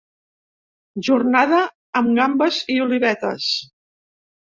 Jornada amb gambes i olivetes.